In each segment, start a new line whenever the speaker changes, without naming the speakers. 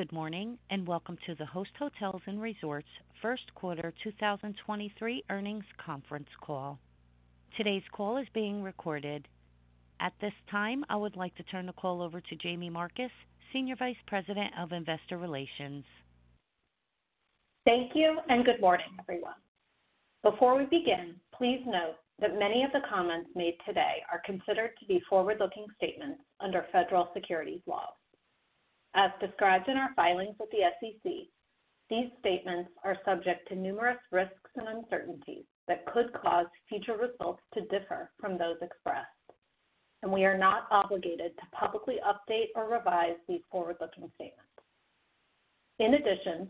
Good morning, welcome to the Host Hotels & Resorts first quarter 2023 earnings conference call. Today's call is being recorded. At this time, I would like to turn the call over to Jaime Marcus, Senior Vice President of Investor Relations.
Thank you, good morning, everyone. Before we begin, please note that many of the comments made today are considered to be forward-looking statements under federal securities laws. As described in our filings with the SEC, these statements are subject to numerous risks and uncertainties that could cause future results to differ from those expressed. We are not obligated to publicly update or revise these forward-looking statements. In addition,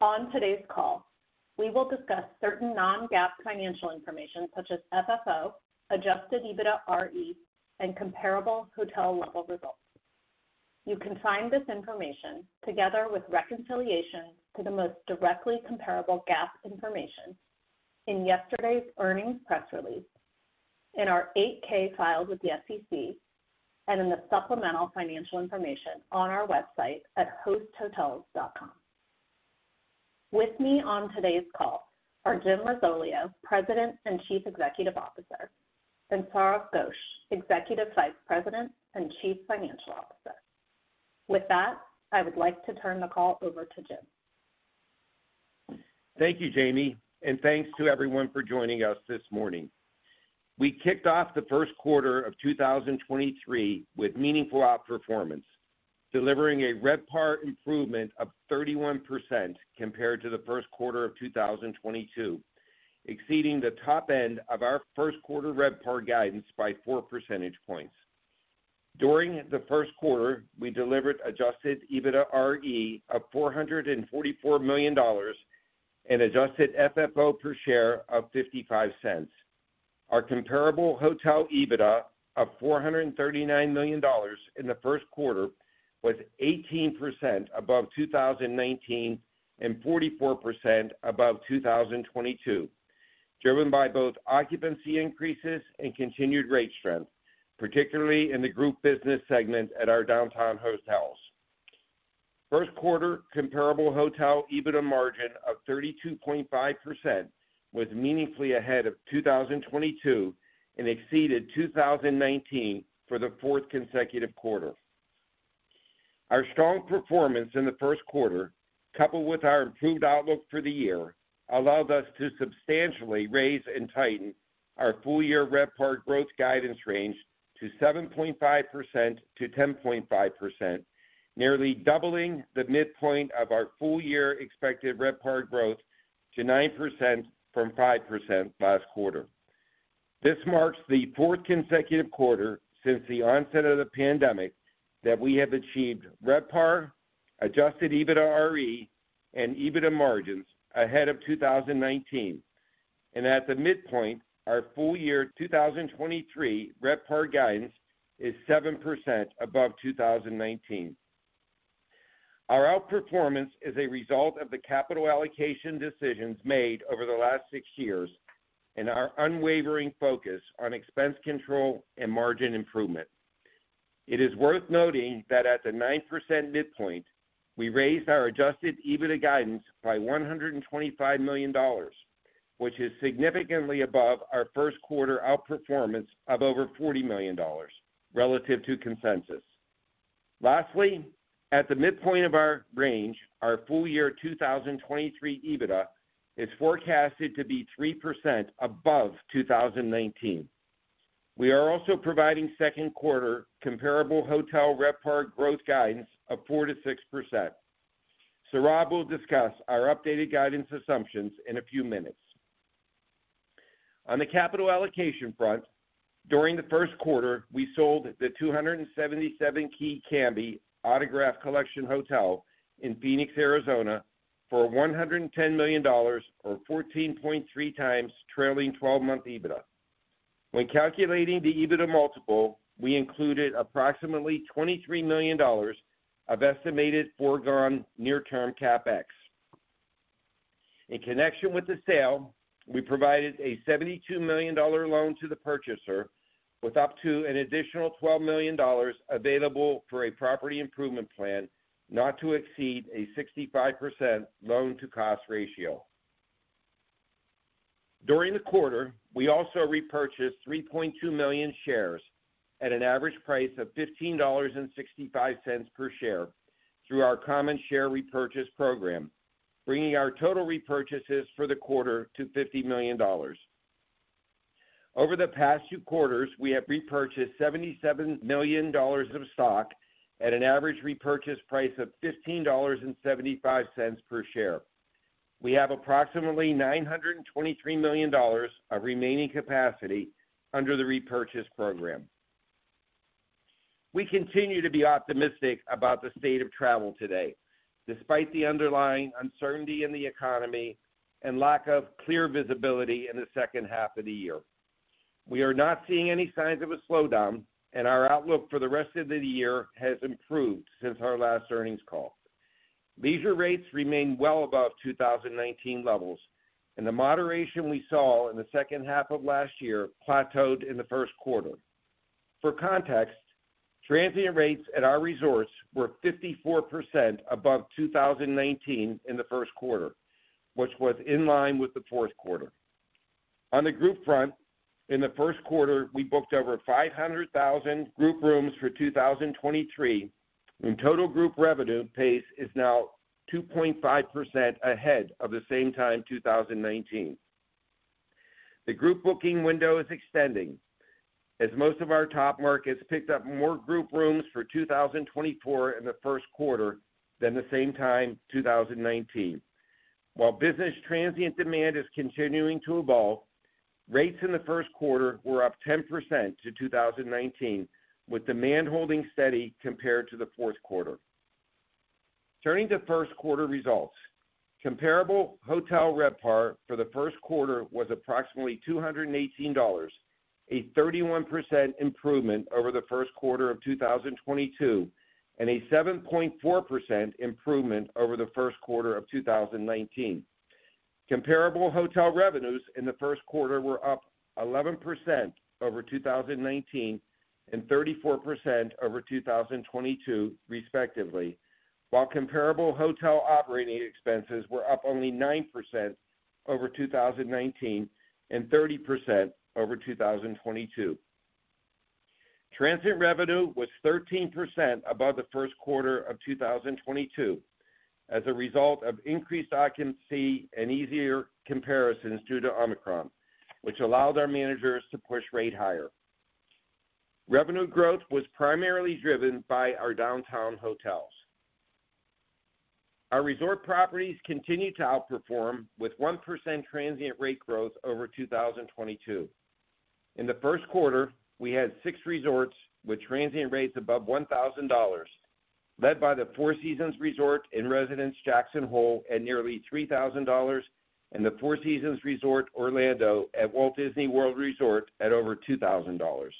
on today's call, we will discuss certain non-GAAP financial information such as FFO, Adjusted EBITDAre, and comparable hotel-level results. You can find this information together with reconciliation to the most directly comparable GAAP information in yesterday's earnings press release, in our 8-K filed with the SEC, and in the supplemental financial information on our website at hosthotels.com. With me on today's call are Jim Risoleo, President and Chief Executive Officer, and Sourav Ghosh, Executive Vice President and Chief Financial Officer. With that, I would like to turn the call over to Jim.
Thank you, Jaime, and thanks to everyone for joining us this morning. We kicked off the first quarter of 2023 with meaningful outperformance, delivering a RevPAR improvement of 31% compared to the first quarter of 2022, exceeding the top end of our first quarter RevPAR guidance by 4 percentage points. During the first quarter, we delivered Adjusted EBITDAre of $444 million and adjusted FFO per share of $0.55. Our comparable hotel EBITDA of $439 million in the first quarter was 18% above 2019 and 44% above 2022, driven by both occupancy increases and continued rate strength, particularly in the Group business segment at our downtown hotels. First quarter comparable hotel EBITDA margin of 32.5% was meaningfully ahead of 2022 and exceeded 2019 for the fourth consecutive quarter. Our strong performance in the first quarter, coupled with our improved outlook for the year, allowed us to substantially raise and tighten our full-year RevPAR growth guidance range to 7.5%-10.5%, nearly doubling the midpoint of our full-year expected RevPAR growth to 9% from 5% last quarter. This marks the fourth consecutive quarter since the onset of the pandemic that we have achieved RevPAR, adjusted EBITDAre, and EBITDA margins ahead of 2019. At the midpoint, our full-year 2023 RevPAR guidance is 7% above 2019. Our outperformance is a result of the capital allocation decisions made over the last six years and our unwavering focus on expense control and margin improvement. It is worth noting that at the 9% midpoint, we raised our Adjusted EBITDA guidance by $125 million, which is significantly above our first quarter outperformance of over $40 million relative to consensus. Lastly, at the midpoint of our range, our full-year 2023 EBITDA is forecasted to be 3% above 2019. We are also providing second quarter comparable hotel RevPAR growth guidance of 4%-6%. Sourav will discuss our updated guidance assumptions in a few minutes. On the capital allocation front, during the first quarter, we sold the 277-key Camby Autograph Collection Hotel in Phoenix, Arizona for $110 million or 14.3x trailing 12-month EBITDA. When calculating the EBITDA multiple, we included approximately $23 million of estimated foregone near-term CapEx. In connection with the sale, we provided a $72 million loan to the purchaser with up to an additional $12 million available for a property improvement plan, not to exceed a 65% loan-to-cost ratio. During the quarter, we also repurchased 3.2 million shares at an average price of $15.65 per share through our common share repurchase program, bringing our total repurchases for the quarter to $50 million. Over the past two quarters, we have repurchased $77 million of stock at an average repurchase price of $15.75 per share. We have approximately $923 million of remaining capacity under the repurchase program. We continue to be optimistic about the state of travel today, despite the underlying uncertainty in the economy and lack of clear visibility in the second half of the year. We are not seeing any signs of a slowdown. Our outlook for the rest of the year has improved since our last earnings call. Leisure rates remain well above 2019 levels. The moderation we saw in the second half of last year plateaued in the first quarter. For context, Transient rates at our resorts were 54% above 2019 in the first quarter, which was in line with the fourth quarter. On the Group front, in the first quarter, we booked over 500,000 Group rooms for 2023. Total Group revenue pace is now 2.5% ahead of the same time 2019. The Group booking window is extending as most of our top markets picked up more Group rooms for 2024 in the first quarter than the same time 2019. While business Transient demand is continuing to evolve, rates in the first quarter were up 10% to 2019, with demand holding steady compared to the fourth quarter. Turning to first quarter results, comparable hotel RevPAR for the first quarter was approximately $218, a 31% improvement over the first quarter of 2022, and a 7.4% improvement over the first quarter of 2019. Comparable hotel revenues in the first quarter were up 11% over 2019 and 34% over 2022 respectively, while comparable hotel operating expenses were up only 9% over 2019 and 30% over 2022. Transient revenue was 13% above the first quarter of 2022 as a result of increased occupancy and easier comparisons due to Omicron, which allowed our managers to push rate higher. Revenue growth was primarily driven by our downtown hotels. Our resort properties continued to outperform with 1% Transient rate growth over 2022. In the first quarter, we had six resorts with Transient rates above $1,000, led by the Four Seasons Resort and Residences Jackson Hole at nearly $3,000 and the Four Seasons Resort Orlando at Walt Disney World Resort at over $2,000.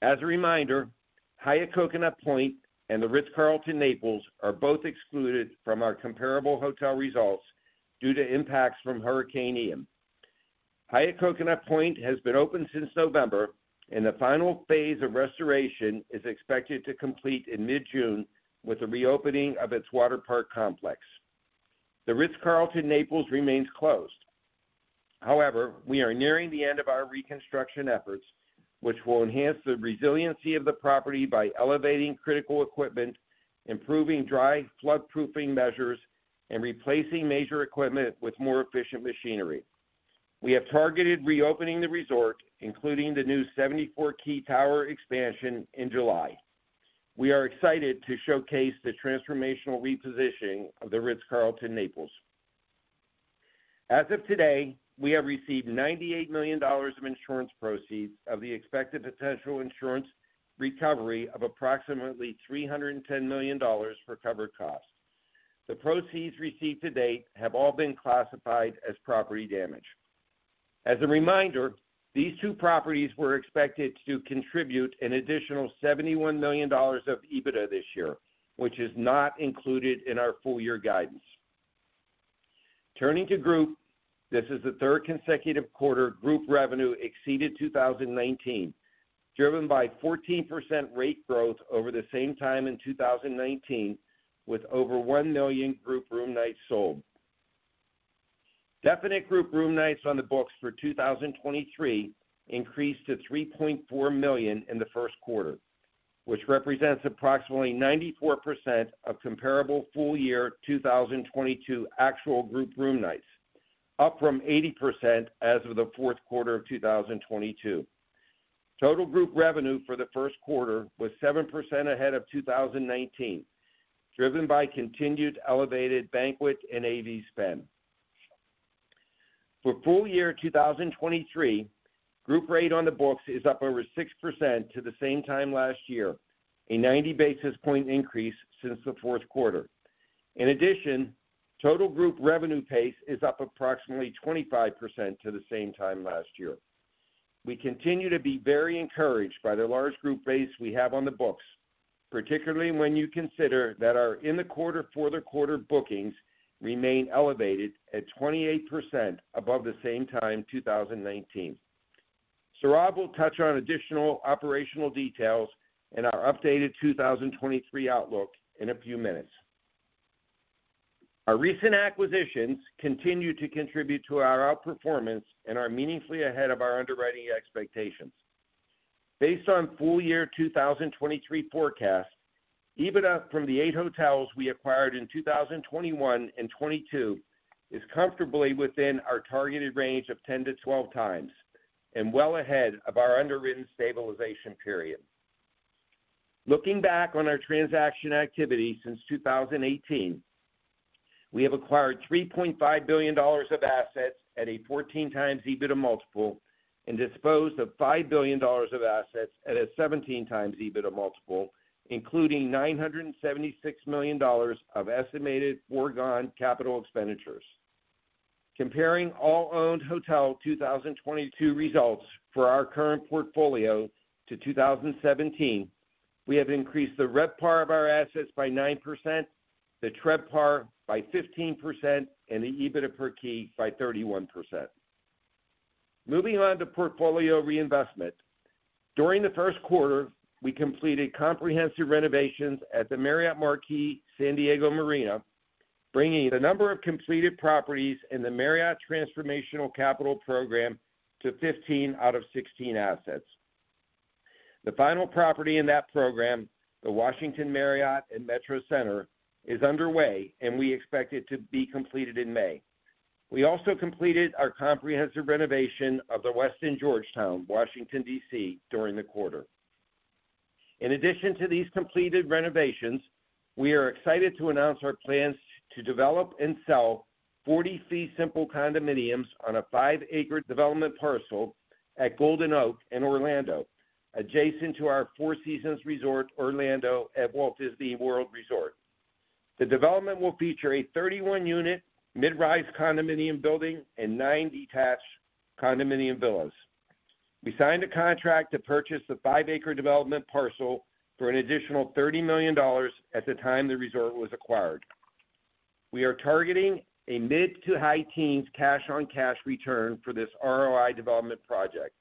As a reminder, Hyatt Coconut Point and the Ritz-Carlton, Naples are both excluded from our comparable hotel results due to impacts from Hurricane Ian. Hyatt Coconut Point has been open since November, and the final phase of restoration is expected to complete in mid-June with the reopening of its water park complex. The Ritz-Carlton, Naples remains closed. However, we are nearing the end of our reconstruction efforts, which will enhance the resiliency of the property by elevating critical equipment, improving dry floodproofing measures, and replacing major equipment with more efficient machinery. We have targeted reopening the resort, including the new 74-key tower expansion, in July. We are excited to showcase the transformational repositioning of the Ritz-Carlton, Naples. As of today, we have received $98 million of insurance proceeds of the expected potential insurance recovery of approximately $310 million for covered costs. The proceeds received to date have all been classified as property damage. As a reminder, these two properties were expected to contribute an additional $71 million of EBITDA this year, which is not included in our full year guidance. Turning to Group, this is the third consecutive quarter Group revenue exceeded 2019, driven by 14% rate growth over the same time in 2019 with over 1 million Group room nights sold. Definite Group room nights on the books for 2023 increased to 3.4 million in the first quarter, which represents approximately 94% of comparable full year 2022 actual Group room nights, up from 80% as of the fourth quarter of 2022. Total Group revenue for the first quarter was 7% ahead of 2019, driven by continued elevated banquet and AV spend. For full year 2023, Group rate on the books is up over 6% to the same time last year, a 90 basis point increase since the fourth quarter. Total Group revenue pace is up approximately 25% to the same time last year. We continue to be very encouraged by the large Group base we have on the books, particularly when you consider that our in the quarter for the quarter bookings remain elevated at 28% above the same time in 2019. Sourav will touch on additional operational details in our updated 2023 outlook in a few minutes. Our recent acquisitions continue to contribute to our outperformance and are meaningfully ahead of our underwriting expectations. Based on full year 2023 forecast, EBITDA from the eight hotels we acquired in 2021 and 22 is comfortably within our targeted range of 10-12x, and well ahead of our underwritten stabilization period. Looking back on our transaction activity since 2018, we have acquired $3.5 billion of assets at a 14x EBITDA multiple and disposed of $5 billion of assets at a 17x EBITDA multiple, including $976 million of estimated foregone capital expenditures. Comparing all owned hotel 2022 results for our current portfolio to 2017. We have increased the RevPAR of our assets by 9%, the TRevPAR by 15%, and the EBITDA per key by 31%. Moving on to portfolio reinvestment. During the first quarter, we completed comprehensive renovations at the Marriott Marquis San Diego Marina, bringing the number of completed properties in the Marriott Transformational Capital Program to 15 out of 16 assets. The final property in that program, the Washington Marriott at Metro Center, is underway, and we expect it to be completed in May. We also completed our comprehensive renovation of The Westin Georgetown, Washington, D.C., during the quarter. In addition to these completed renovations, we are excited to announce our plans to develop and sell 40 fee simple condominiums on a 5-acre development parcel at Golden Oak in Orlando, adjacent to our Four Seasons Resort Orlando at Walt Disney World Resort. The development will feature a 31-unit mid-rise condominium building and nine detached condominium villas. We signed a contract to purchase the 5-acre development parcel for an additional $30 million at the time the resort was acquired. We are targeting a mid-to-high teens cash on cash return for this ROI development project.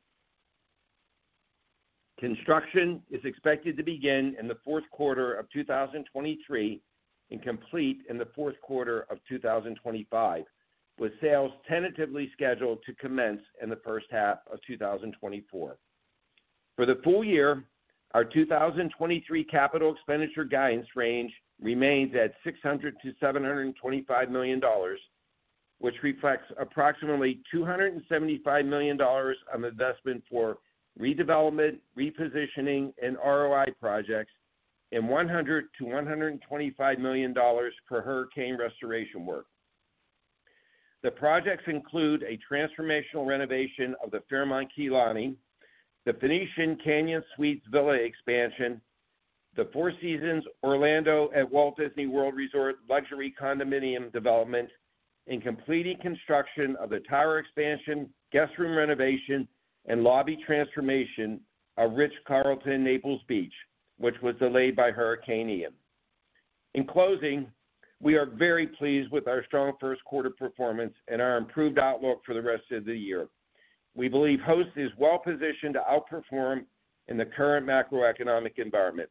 Construction is expected to begin in the fourth quarter of 2023 and complete in the fourth quarter of 2025, with sales tentatively scheduled to commence in the first half of 2024. For the full year, our 2023 capital expenditure guidance range remains at $600 million-$725 million, which reflects approximately $275 million of investment for redevelopment, repositioning, and ROI projects, and $100 million-$125 million for hurricane restoration work. The projects include a transformational renovation of the Fairmont Kea Lani, the Phoenician Canyon Suites Villa expansion, the Four Seasons Orlando at Walt Disney World Resort luxury condominium development, and completing construction of the tower expansion, guest room renovation, and lobby transformation of Ritz-Carlton, Naples Beach, which was delayed by Hurricane Ian. In closing, we are very pleased with our strong first quarter performance and our improved outlook for the rest of the year. We believe Host is well positioned to outperform in the current macroeconomic environment.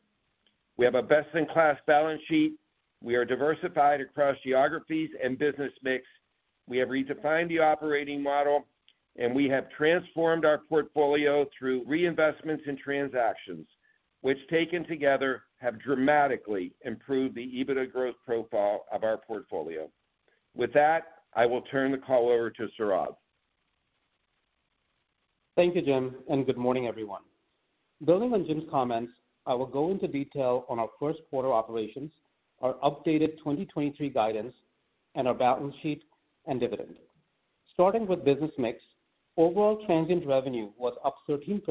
We have a best-in-class balance sheet. We are diversified across geographies and business mix. We have redefined the operating model, and we have transformed our portfolio through reinvestments and transactions, which taken together have dramatically improved the EBITDA growth profile of our portfolio. With that, I will turn the call over to Sourav.
Thank you, Jim. Good morning, everyone. Building on Jim's comments, I will go into detail on our first quarter operations, our updated 2023 guidance, and our balance sheet and dividend. Starting with business mix, overall Transient revenue was up 13%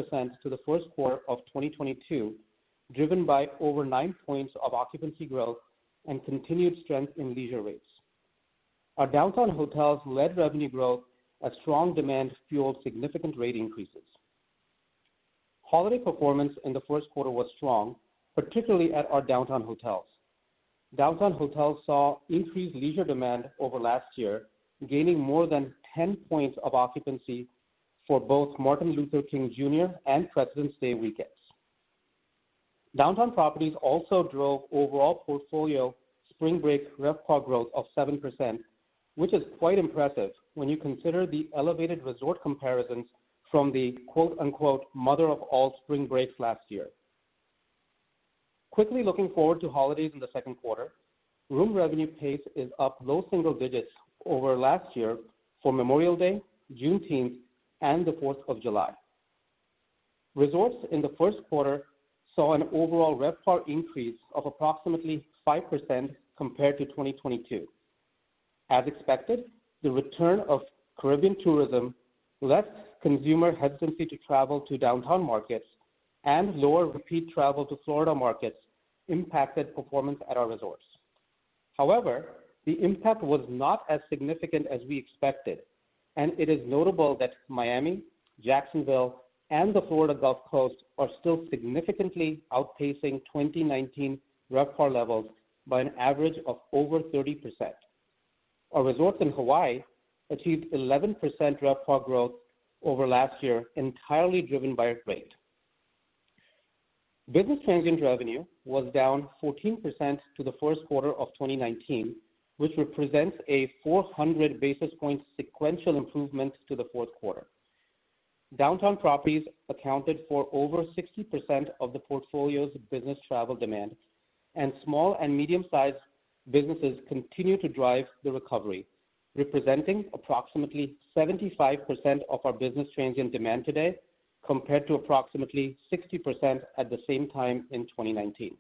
to the first quarter of 2022, driven by over 9 points of occupancy growth and continued strength in leisure rates. Our downtown hotels led revenue growth as strong demand fueled significant rate increases. Holiday performance in the first quarter was strong, particularly at our downtown hotels. Downtown hotels saw increased leisure demand over last year, gaining more than 10 points of occupancy for both Martin Luther King Jr. and Presidents' Day weekends. Downtown properties also drove overall portfolio RevPAR growth of 7%, which is quite impressive when you consider the elevated resort comparisons from the quote-unquote mother of all spring breaks last year. Quickly looking forward to holidays in the second quarter, room revenue pace is up low single digits over last year for Memorial Day, Juneteenth, and the Fourth of July. Resorts in the first quarter saw an overall RevPAR increase of approximately 5% compared to 2022. As expected, the return of Caribbean tourism left consumer hesitancy to travel to downtown markets and lower repeat travel to Florida markets impacted performance at our resorts. The impact was not as significant as we expected, and it is notable that Miami, Jacksonville, and the Florida Gulf Coast are still significantly outpacing 2019 RevPAR levels by an average of over 30%. Our resorts in Hawaii achieved 11% RevPAR growth over last year, entirely driven by rate. Business Transient revenue was down 14% to the first quarter of 2019, which represents a 400 basis point sequential improvement to the fourth quarter. Downtown properties accounted for over 60% of the portfolio's business travel demand, and small and medium-sized businesses continue to drive the recovery, representing approximately 75% of our business Transient demand today, compared to approximately 60% at the same time in 2019.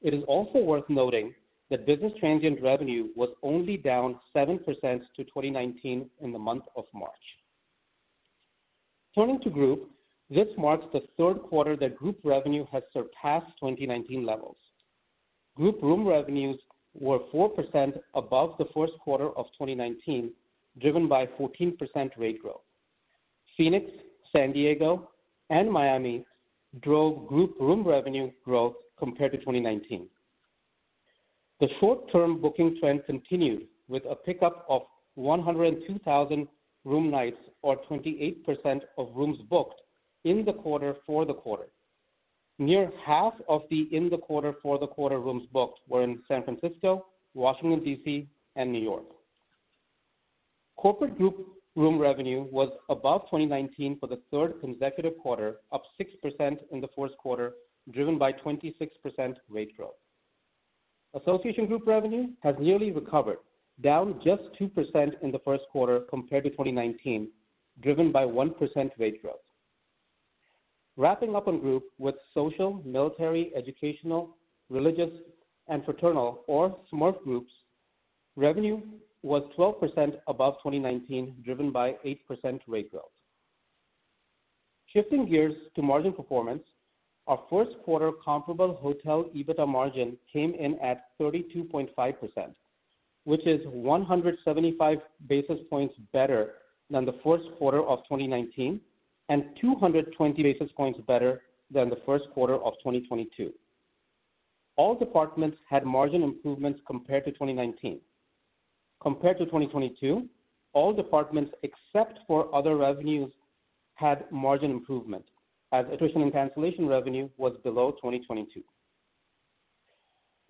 It is also worth noting that business Transient revenue was only down 7% to 2019 in the month of March. Turning to Group, this marks the thirdrd quarter that Group revenue has surpassed 2019 levels. Group room revenues were 4% above the first quarter of 2019, driven by 14% rate growth. Phoenix, San Diego, and Miami drove Group room revenue growth compared to 2019. The short term booking trend continued with a pickup of 102,000 room nights or 28% of rooms booked in the quarter for the quarter. Near half of the in the quarter for the quarter rooms booked were in San Francisco, Washington, D.C., and New York. Corporate Group room revenue was above 2019 for the third consecutive quarter, up 6% in the first quarter, driven by 26% rate growth. Association Group revenue has nearly recovered, down just 2% in the first quarter compared to 2019, driven by 1% rate growth. Wrapping up on Group with Social, Military, Educational, Religious, and Fraternal or SMERF Groups, revenue was 12% above 2019, driven by 8% rate growth. Shifting gears to margin performance, our first quarter comparable hotel EBITDA margin came in at 32.5%, which is 175 basis points better than the first quarter of 2019 and 220 basis points better than the first quarter of 2022. All departments had margin improvements compared to 2019. Compared to 2022, all departments except for other revenues had margin improvement as attrition and cancellation revenue was below 2022.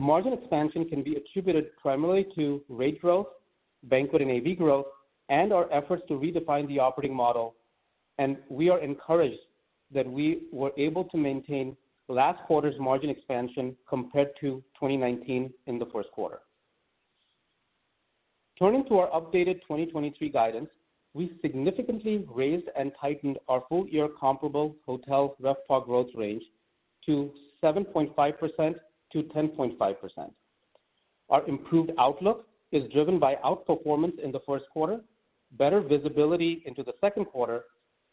Margin expansion can be attributed primarily to rate growth, banquet and AV growth, and our efforts to redefine the operating model. We are encouraged that we were able to maintain last quarter's margin expansion compared to 2019 in the first quarter. Turning to our updated 2023 guidance, we significantly raised and tightened our full year comparable hotel RevPAR growth range to 7.5%-10.5%. Our improved outlook is driven by outperformance in the first quarter, better visibility into the second quarter,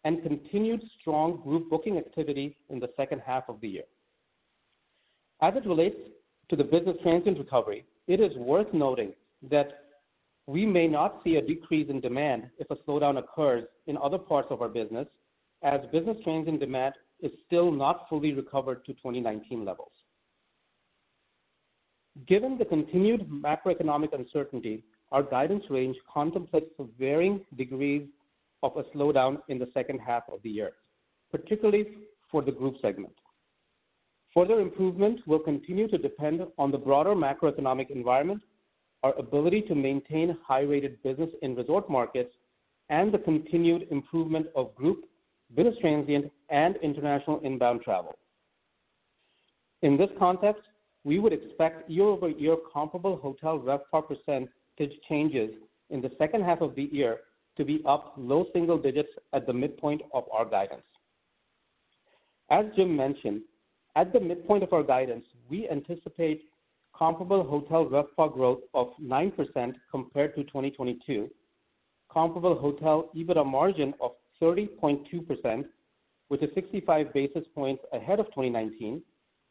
and continued strong Group booking activity in the second half of the year. As it relates to the business Transient recovery, it is worth noting that we may not see a decrease in demand if a slowdown occurs in other parts of our business as business Transient demand is still not fully recovered to 2019 levels. Given the continued macroeconomic uncertainty, our guidance range contemplates the varying degrees of a slowdown in the second half of the year, particularly for the Group segment. Further improvement will continue to depend on the broader macroeconomic environment, our ability to maintain high rated business in resort markets, and the continued improvement of Group, business Transient, and international inbound travel. In this context, we would expect year-over-year comparable hotel RevPAR percent changes in the second half of the year to be up low single digits at the midpoint of our guidance. As Jim mentioned, at the midpoint of our guidance, we anticipate comparable hotel RevPAR growth of 9% compared to 2022, comparable hotel EBITDA margin of 30.2% with a 65 basis points ahead of 2019,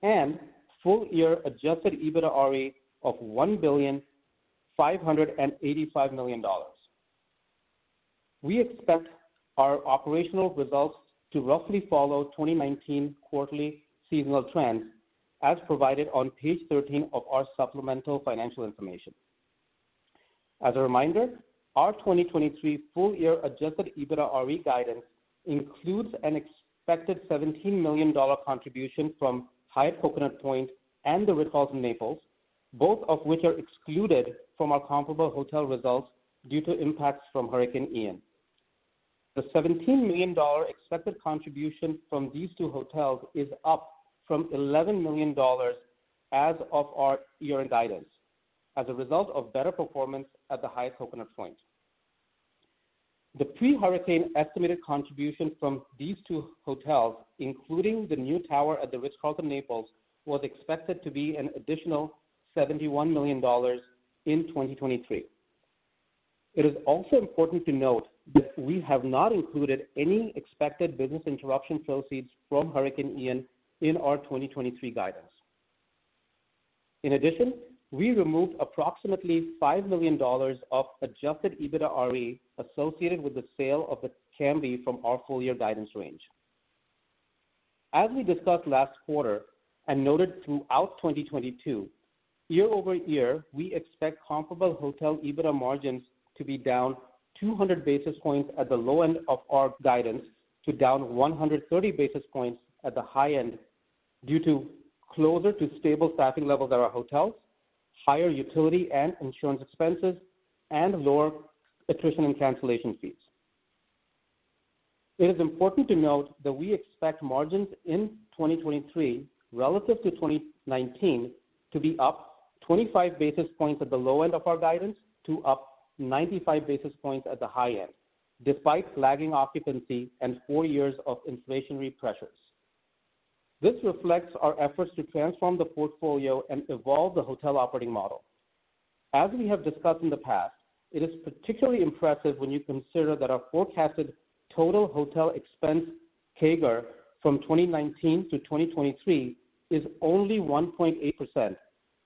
and full-year Adjusted EBITDAre of $1.585 billion. We expect our operational results to roughly follow 2019 quarterly seasonal trends as provided on page 13 of our supplemental financial information. As a reminder, our 2023 full year adjusted EBITDAre guidance includes an expected $17 million contribution from Hyatt Coconut Point and The Ritz-Carlton, Naples, both of which are excluded from our comparable hotel results due to impacts from Hurricane Ian. The $17 million expected contribution from these two hotels is up from $11 million as of our year-end guidance as a result of better performance at the Hyatt Coconut Point. The pre-hurricane estimated contribution from these two hotels, including the new tower at The Ritz-Carlton, Naples, was expected to be an additional $71 million in 2023. It is also important to note that we have not included any expected business interruption proceeds from Hurricane Ian in our 2023 guidance. In addition, we removed approximately $5 million of Adjusted EBITDAre associated with the sale of The Camby from our full-year guidance range. As we discussed last quarter and noted throughout 2022, year-over-year, we expect comparable hotel EBITDA margins to be down 200 basis points at the low end of our guidance to down 130 basis points at the high end due to closer to stable staffing levels at our hotels, higher utility and insurance expenses, and lower attrition and cancellation fees. It is important to note that we expect margins in 2023 relative to 2019 to be up 25 basis points at the low end of our guidance to up 95 basis points at the high end, despite lagging occupancy and four years of inflationary pressures. This reflects our efforts to transform the portfolio and evolve the hotel operating model. As we have discussed in the past, it is particularly impressive when you consider that our forecasted total hotel expense CAGR from 2019-2023 is only 1.8%.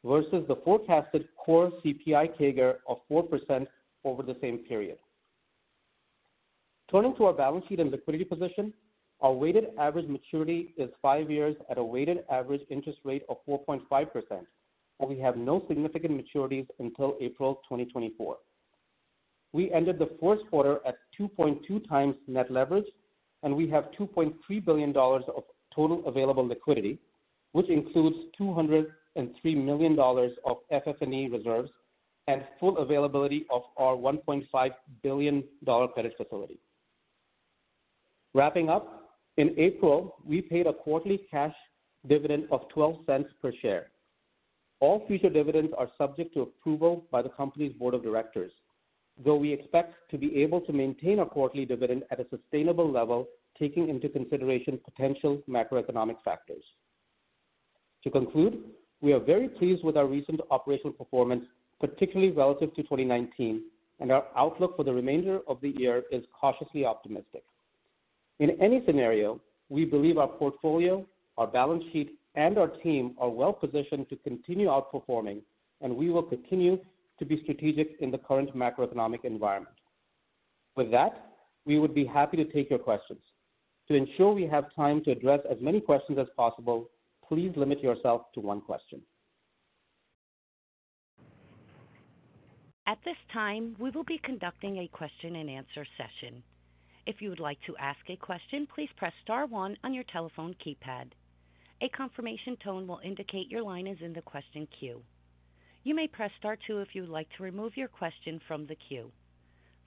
Versus the forecasted core CPI CAGR of 4% over the same period. Turning to our balance sheet and liquidity position, our weighted average maturity is five years at a weighted average interest rate of 4.5%, and we have no significant maturities until April 2024. We ended the first quarter at 2.2x net leverage, and we have $2.3 billion of total available liquidity, which includes $203 million of FF&E reserves and full availability of our $1.5 billion credit facility. Wrapping up, in April, we paid a quarterly cash dividend of $0.12 per share. All future dividends are subject to approval by the company's board of directors, though we expect to be able to maintain a quarterly dividend at a sustainable level, taking into consideration potential macroeconomic factors. To conclude, we are very pleased with our recent operational performance, particularly relative to 2019, and our outlook for the remainder of the year is cautiously optimistic. In any scenario, we believe our portfolio, our balance sheet, and our team are well-positioned to continue outperforming, and we will continue to be strategic in the current macroeconomic environment. With that, we would be happy to take your questions. To ensure we have time to address as many questions as possible, please limit yourself to one question.
At this time, we will be conducting a question-and-answer session. If you would like to ask a question, please press star one on your telephone keypad. A confirmation tone will indicate your line is in the question queue. You may press star two if you would like to remove your question from the queue.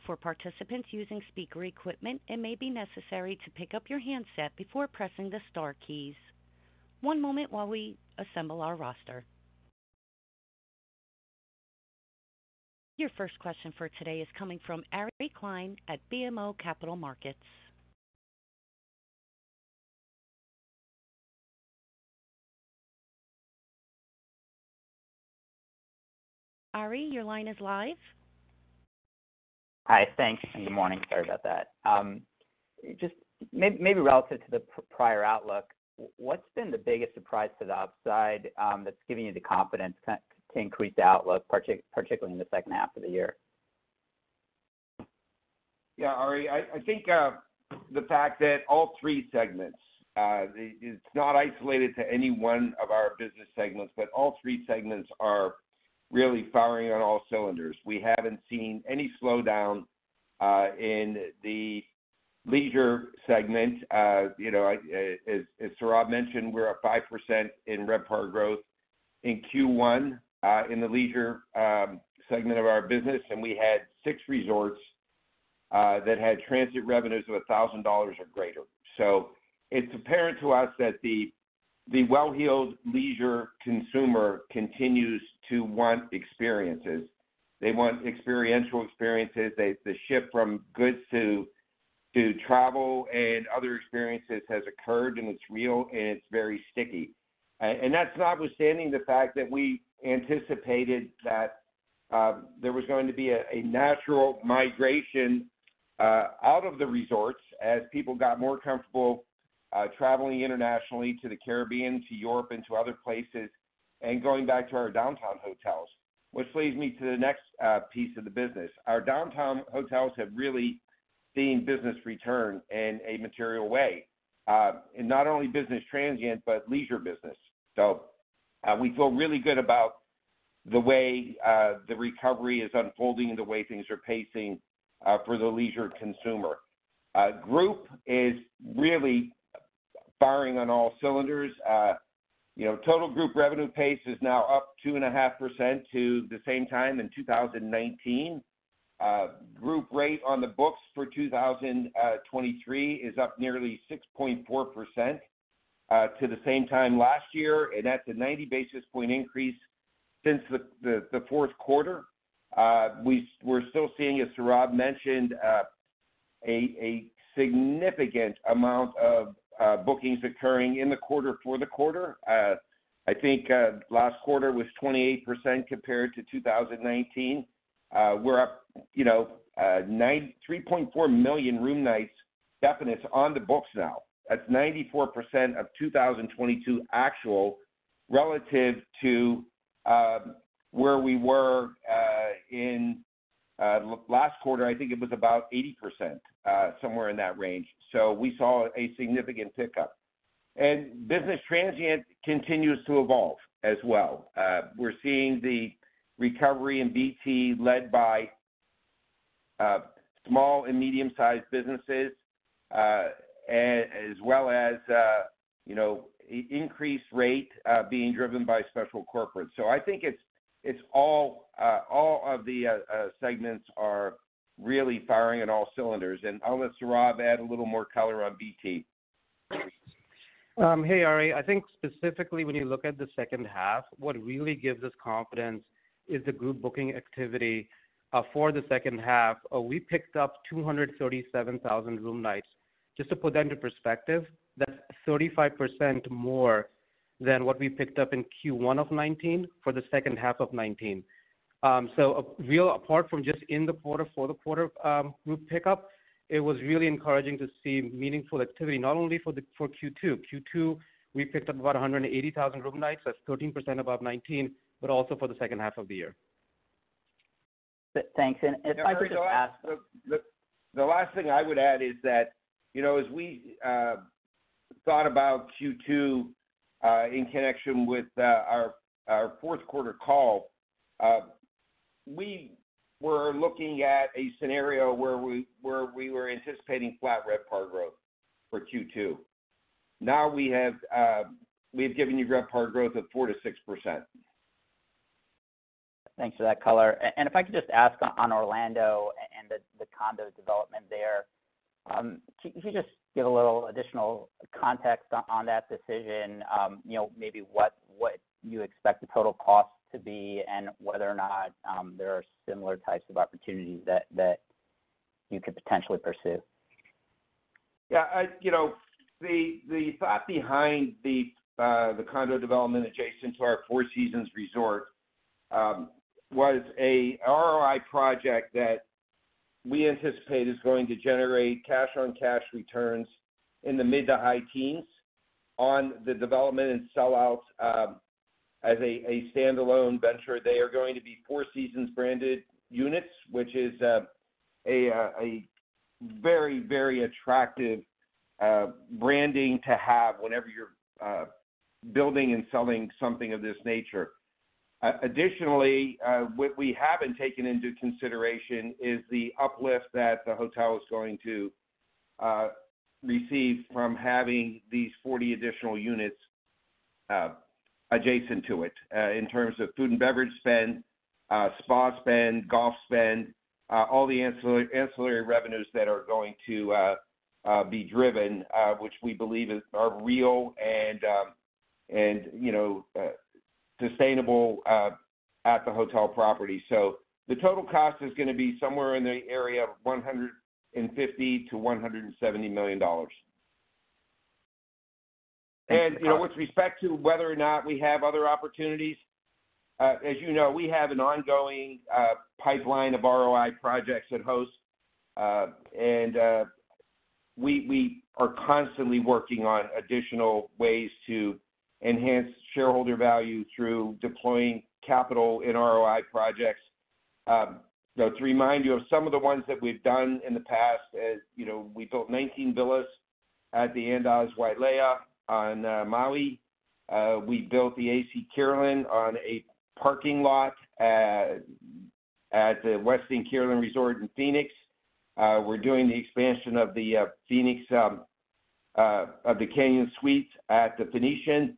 For participants using speaker equipment, it may be necessary to pick up your handset before pressing the star keys. One moment while we assemble our roster. Your first question for today is coming from Ari Klein at BMO Capital Markets. Ari, your line is live.
Hi. Thanks, and good morning. Sorry about that. Just maybe relative to the prior outlook, what's been the biggest surprise to the upside, that's giving you the confidence to increase the outlook, particularly in the second half of the year?
Yeah, Ari, I think, the fact that all three segments, it's not isolated to any one of our business segments, but all three segments are really firing on all cylinders. We haven't seen any slowdown in the Leisure segment. You know, I, as Sourav mentioned, we're up 5% in RevPAR growth in Q1, in the leisure segment of our business, and we had six resorts that had transit revenues of $1,000 or greater. It's apparent to us that the well-heeled leisure consumer continues to want experiences. They want experiential experiences. The shift from goods to travel and other experiences has occurred, and it's real, and it's very sticky. That's notwithstanding the fact that we anticipated that there was going to be a natural migration out of the resorts as people got more comfortable traveling internationally to the Caribbean, to Europe, and to other places, and going back to our downtown hotels, which leads me to the next piece of the business. Our downtown hotels have really seen business return in a material way in not only business Transient, but leisure business. We feel really good about the way the recovery is unfolding and the way things are pacing for the leisure consumer. Group is really firing on all cylinders. You know, total Group revenue pace is now up 2.5% to the same time in 2019. Group rate on the books for 2023 is up nearly 6.4% to the same time last year, and that's a 90 basis point increase since the fourth quarter. We're still seeing, as Sourav mentioned, a significant amount of bookings occurring in the quarter for the quarter. I think last quarter was 28% compared to 2019. We're up, you know, 3.4 million room nights definites on the books now. That's 94% of 2022 actual relative to where we were in last quarter. I think it was about 80% somewhere in that range. We saw a significant pickup. Business Transient continues to evolve as well. We're seeing the recovery in BT led by small and medium-sized businesses, as well as, you know, increased rate being driven by special corporate. I think it's all of the segments are really firing on all cylinders. I'll let Sourav add a little more color on BT.
Hey, Ari. I think specifically when you look at the second half, what really gives us confidence is the Group booking activity for the second half. We picked up 237,000 room nights. Just to put that into perspective, that's 35% more than what we picked up in Q1 of 2019 for the second half of 2019. Real apart from just in the quarter for the quarter, Group pickup, it was really encouraging to see meaningful activity, not only for Q2. Q2, we picked up about 180,000 room nights, that's 13% above 2019, but also for the second half of the year.
Thanks. If I could just ask.
The last thing I would add is that, you know, as we thought about Q2, in connection with our fourth quarter call, we were looking at a scenario where we were anticipating flat RevPAR growth for Q2. Now we have, we've given you RevPAR growth of 4%-6%.
Thanks for that color. If I could just ask on Orlando and the condo development there, can you just give a little additional context on that decision, you know, maybe what you expect the total cost to be and whether or not there are similar types of opportunities that you could potentially pursue?
Yeah. You know, the thought behind the condo development adjacent to our Four Seasons Resort was a ROI project that we anticipate is going to generate cash-on-cash returns in the mid to high teens on the development and sell out as a standalone venture. They are going to be Four Seasons branded units, which is a very, very attractive branding to have whenever you're building and selling something of this nature. Additionally, what we haven't taken into consideration is the uplift that the hotel is going to receive from having these 40 additional units adjacent to it, in terms of Food and Beverage spend, spa spend, golf spend, all the ancillary revenues that are going to be driven, which we believe are real and, you know, sustainable at the hotel property. The total cost is gonna be somewhere in the area of $150 million-$170 million. You know, with respect to whether or not we have other opportunities, as you know, we have an ongoing pipeline of ROI projects at Host. We are constantly working on additional ways to enhance shareholder value through deploying capital in ROI projects. You know, to remind you of some of the ones that we've done in the past, as you know, we built 19 villas at the Andaz Maui at Wailea. We built the AC Kierland on a parking lot at The Westin Kierland Resort in Phoenix. We're doing the expansion of the Phoenix of The Canyon Suites at The Phoenician.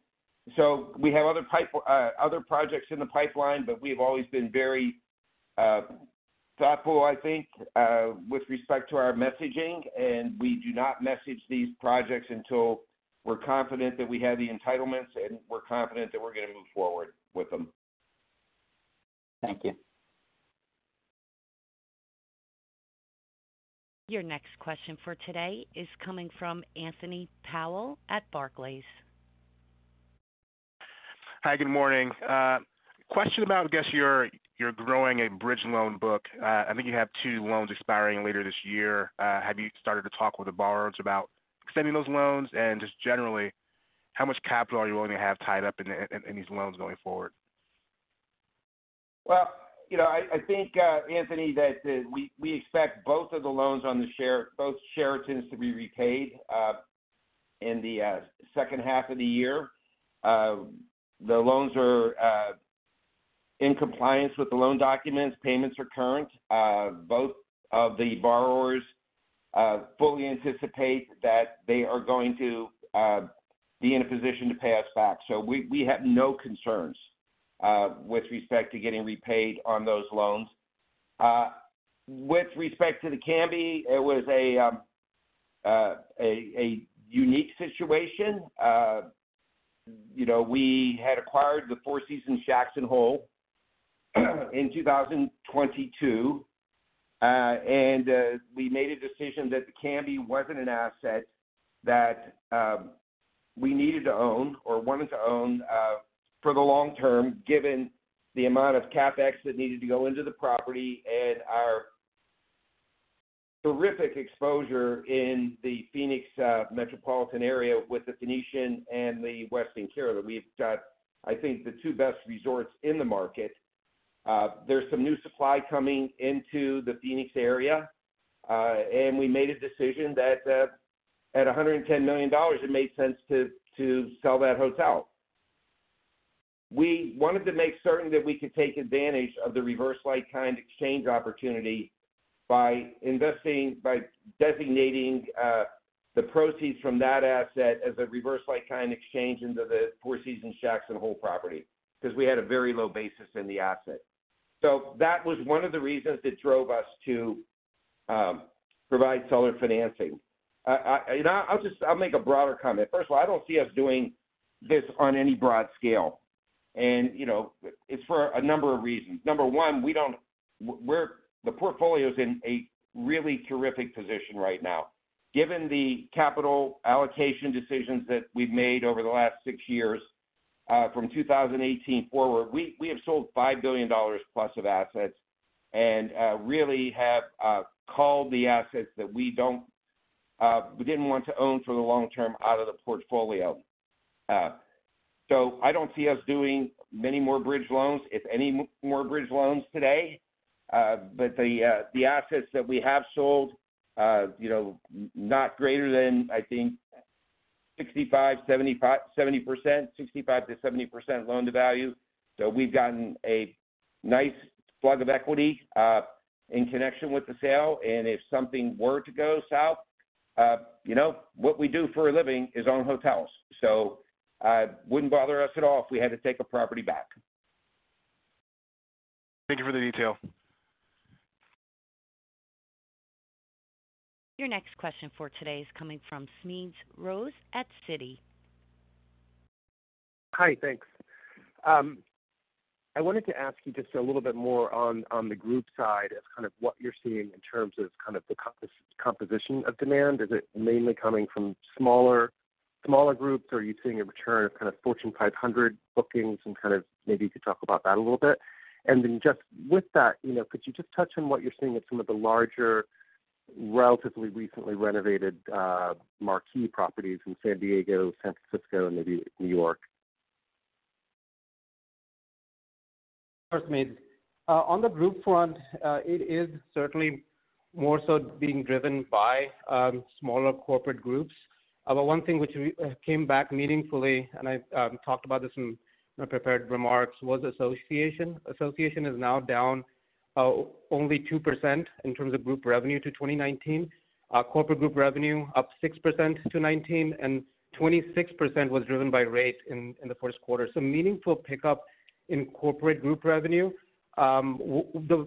We have other projects in the pipeline, but we've always been very thoughtful, I think, with respect to our messaging, and we do not message these projects until we're confident that we have the entitlements and we're confident that we're gonna move forward with them.
Thank you.
Your next question for today is coming from Anthony Powell at Barclays.
Hi, good morning. Question about, I guess, you're growing a bridge loan book. I think you have two loans expiring later this year. Have you started to talk with the borrowers about extending those loans? Just generally, how much capital are you willing to have tied up in these loans going forward?
Well, you know, I think Anthony, that we expect both of the loans on both Sheratons to be repaid in the second half of the year. The loans are in compliance with the loan documents, payments are current. Both of the borrowers fully anticipate that they are going to be in a position to pay us back. We have no concerns with respect to getting repaid on those loans. With respect to The Camby, it was a unique situation. You know, we had acquired the Four Seasons Jackson Hole in 2022. We made a decision that The Camby wasn't an asset that we needed to own or wanted to own for the long term, given the amount of CapEx that needed to go into the property and our terrific exposure in the Phoenix Metropolitan area with The Venetian and The Westin Kierland. We've got, I think, the two best resorts in the market. There's some new supply coming into the Phoenix area, we made a decision that at $110 million, it made sense to sell that hotel. We wanted to make certain that we could take advantage of the reverse like kind exchange opportunity by designating the proceeds from that asset as a reverse like kind exchange into the Four Seasons Resort and Residences Jackson Hole property because we had a very low basis in the asset. That was one of the reasons that drove us to provide seller financing. I'll make a broader comment. First of all, I don't see us doing this on any broad scale, and, you know, it's for a number of reasons. Number one, The portfolio is in a really terrific position right now. Given the capital allocation decisions that we've made over the last six years, from 2018 forward, we have sold $5 billion plus of assets and really have called the assets that we don't, we didn't want to own for the long term out of the portfolio. I don't see us doing many more bridge loans, if any more bridge loans today. The assets that we have sold, not greater than I think 65, 70%, 65%-70% loan to value. We've gotten a nice plug of equity in connection with the sale. If something were to go south, you know, what we do for a living is own hotels, so, wouldn't bother us at all if we had to take a property back.
Thank you for the detail.
Your next question for today is coming from Smedes Rose at Citi.
Hi. Thanks. I wanted to ask you just a little bit more on the Group side of kind of what you're seeing in terms of kind of the composition of demand. Is it mainly coming from smaller groups, or are you seeing a return of kind of Fortune 500 bookings and kind of maybe you could talk about that a little bit? Just with that, you know, could you just touch on what you're seeing with some of the larger, relatively recently renovated, marquee properties in San Diego, San Francisco, and maybe New York?
Sure, Smedes. On the Group front, it is certainly more so being driven by smaller corporate groups. One thing which came back meaningfully, and I talked about this in my prepared remarks, was association. Association is now down only 2% in terms of Group revenue to 2019. Corporate Group revenue up 6% to 2019, and 26% was driven by rate in the first quarter. Meaningful pickup in Corporate Group revenue. The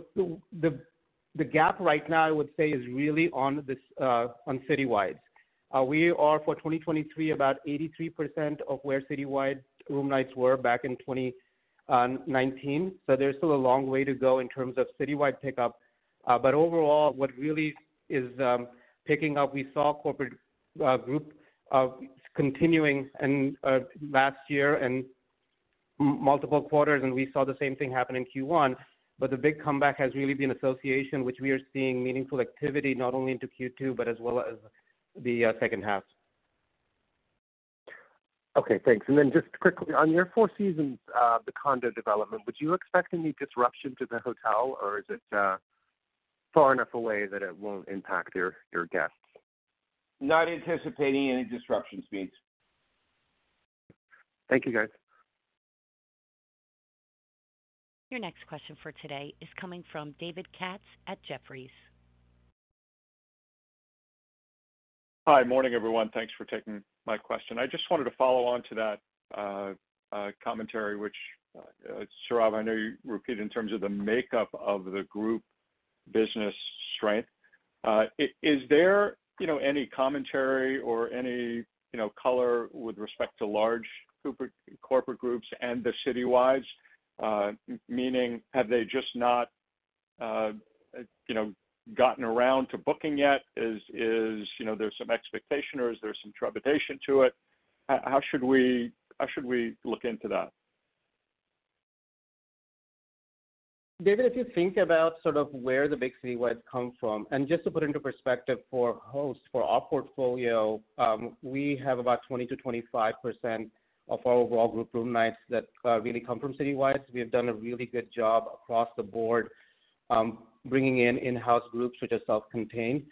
gap right now I would say is really on this on citywides. We are for 2023, about 83% of where citywide room nights were back in 2019. There's still a long way to go in terms of citywide pickup. Overall, what really is picking up, we saw Corporate Group continuing last year and multiple quarters. We saw the same thing happen in Q1. The big comeback has really been association, which we are seeing meaningful activity not only into Q2 but as well as the second half.
Okay, thanks. Then just quickly on your Four Seasons, the condo development, would you expect any disruption to the hotel, or is it far enough away that it won't impact your guests?
Not anticipating any disruptions, Smedes.
Thank you, guys.
Your next question for today is coming from David Katz at Jefferies.
Hi. Morning, everyone. Thanks for taking my question. I just wanted to follow on to that commentary, which, Sourav, I know you repeated in terms of the makeup of the Group business strength. Is there, you know, any commentary or any, you know, color with respect to large corporate Groups and the citywides? Meaning, have they just not, you know, gotten around to booking yet? Is, you know, there some expectation or is there some trepidation to it? How should we look into that?
David, if you think about sort of where the big citywides come from, and just to put into perspective for Host, for our portfolio, we have about 20%-25% of our overall Group room nights that really come from citywides. We have done a really good job across the board, bringing in in-house groups which are self-contained.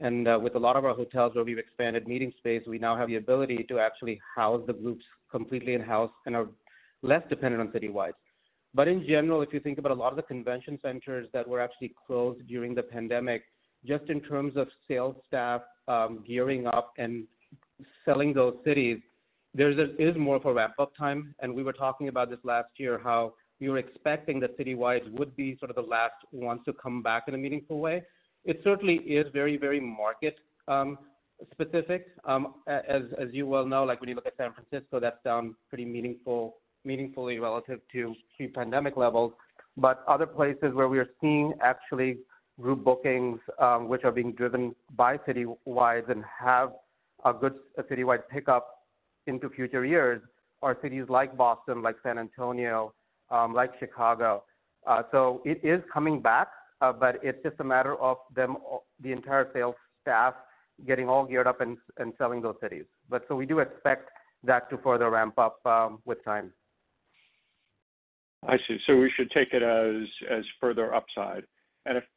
With a lot of our hotels where we've expanded meeting space, we now have the ability to actually house the groups completely in-house and are less dependent on citywides. In general, if you think about a lot of the convention centers that were actually closed during the pandemic, just in terms of sales staff, gearing up and selling those cities, there is more of a ramp-up time. We were talking about this last year, how we were expecting that citywides would be sort of the last ones to come back in a meaningful way. It certainly is very, very market specific. As you well know, like when you look at San Francisco, that's down pretty meaningfully relative to pre-pandemic levels. Other places where we are seeing actually Group bookings, which are being driven by citywides and have a good citywide pickup into future years are cities like Boston, like San Antonio, like Chicago. It is coming back, but it's just a matter of them, the entire sales staff getting all geared up and selling those cities. We do expect that to further ramp up with time.
I see. We should take it as further upside.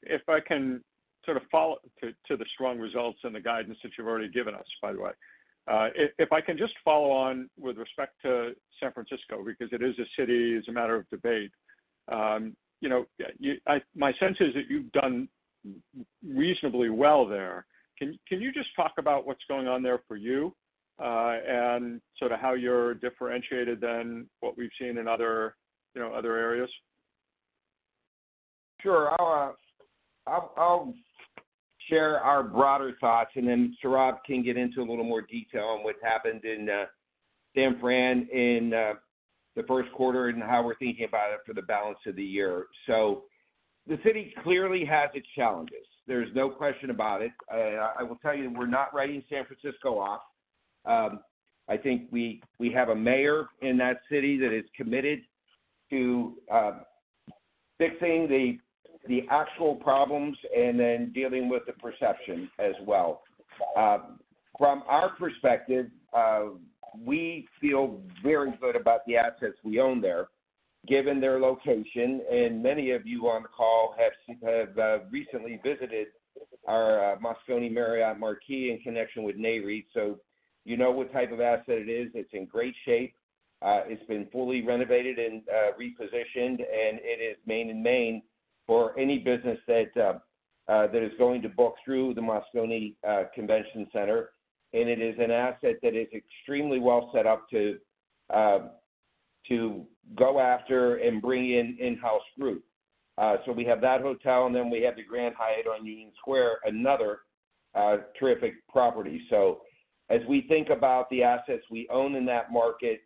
If I can sort of follow to the strong results and the guidance that you've already given us, by the way. If I can just follow on with respect to San Francisco, because it is a city, it's a matter of debate. you know, my sense is that you've done reasonably well there. Can you just talk about what's going on there for you, and sort of how you're differentiated than what we've seen in other, you know, other areas?
Sure. I'll share our broader thoughts, and then Sourav can get into a little more detail on what's happened in San Fran in the first quarter and how we're thinking about it for the balance of the year. The city clearly has its challenges. There's no question about it. I will tell you we're not writing San Francisco off. I think we have a mayor in that city that is committed to fixing the actual problems and then dealing with the perception as well. From our perspective, we feel very good about the assets we own there, given their location. Many of you on the call have recently visited our Moscone Marriott Marquis in connection with Nareit, so you know what type of asset it is. It's in great shape. It's been fully renovated and repositioned, and it is main-and-main for any business that is going to book through the Moscone Convention Center. It is an asset that is extremely well set up to go after and bring in in-house Group. We have that hotel, and then we have the Grand Hyatt on Union Square, another terrific property. As we think about the assets we own in that market